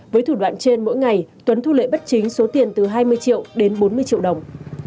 với thủ đoạn trên mỗi ngày tuấn thu lợi bất chính số tiền từ hai mươi triệu đến bốn mươi triệu đồng